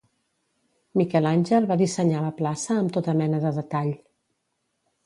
Miquel Àngel va dissenyar la plaça amb tota mena de detall.